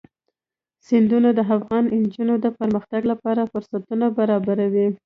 سیندونه د افغان نجونو د پرمختګ لپاره فرصتونه برابروي.